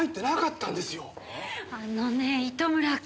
あのね糸村くん！